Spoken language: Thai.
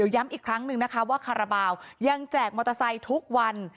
ย้ำอีกครั้งหนึ่งนะคะว่าคาราบาลยังแจกมอเตอร์ไซค์ทุกวัน